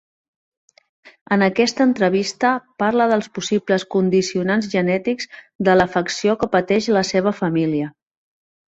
En aquesta entrevista parla dels possibles condicionants genètics de l'afecció que pateix la seva família.